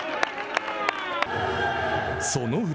その裏。